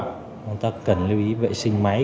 chúng ta cần lưu ý vệ sinh máy